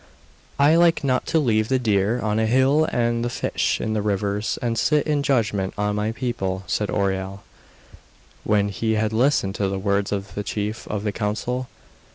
'I like not to leave the deer on the hill and the fish in the rivers, and sit in judgment on my people,' said Oireal, when he had listened to the words of the chief of the council.